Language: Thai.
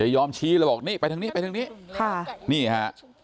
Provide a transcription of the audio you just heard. ยอมชี้แล้วบอกนี่ไปทางนี้ไปทางนี้ค่ะนี่ฮะ